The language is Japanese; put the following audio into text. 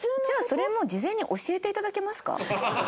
じゃあそれも事前に教えて頂けますか？